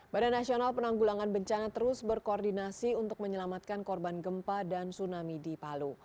badan nasional penanggulangan bencana terus berkoordinasi untuk menyelamatkan korban gempa dan tsunami di palu